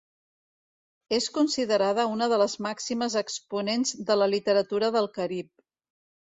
És considerada una de les màximes exponents de la literatura del Carib.